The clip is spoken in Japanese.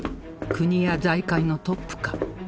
国や財界のトップか？